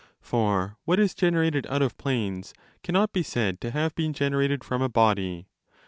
For what is generated out of planes cannot be said to have been generated from a body.